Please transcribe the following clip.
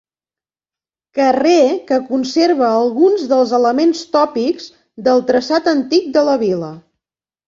Carrer que conserva alguns dels elements tòpics del traçat antic de la vila.